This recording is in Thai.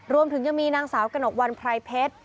รวมถึงยังมีนางสาวกระหนกวันไพรเพชร